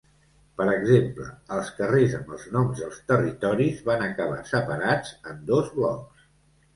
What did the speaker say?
Per exemple, els carrers amb els noms dels territoris van acabar separats en dos blocs.